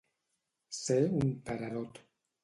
Ser un tararot.